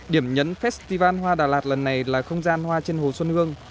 điểm nhấn festival hoa đà lạt lần này là không gian hoa trên hồ xuân hương